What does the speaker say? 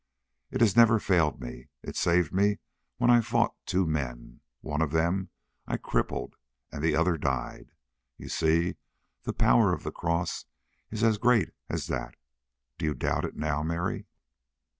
"It has never failed me. It saved me when I fought two men. One of them I crippled and the other died. You see, the power of the cross is as great as that. Do you doubt it now, Mary?"